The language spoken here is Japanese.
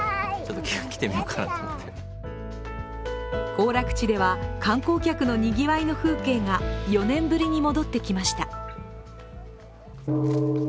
行楽地では、観光客のにぎわいの風景が４年ぶりに戻ってきました。